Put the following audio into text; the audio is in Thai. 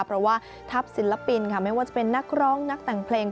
เพราะว่าทัพศิลปินค่ะไม่ว่าจะเป็นนักร้องนักแต่งเพลง